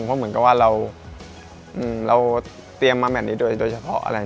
เพราะเหมือนกับว่าเราเตรียมมาแมทนี้โดยเฉพาะอะไร